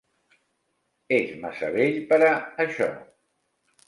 És massa vell per a això.